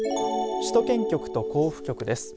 首都圏局と甲府局です。